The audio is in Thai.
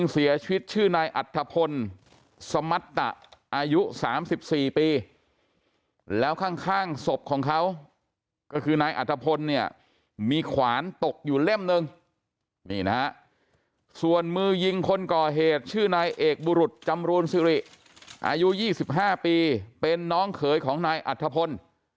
สอบของเขาก็คือนายอัทพลเนี่ยมีขวานตกอยู่เล่มหนึ่งนี่นะส่วนมือยิงคนก่อเหตุชื่อนายเอกบุรุษจำรวจสิริอายุ๒๕ปีเป็นน้องเขยของนายอัทพล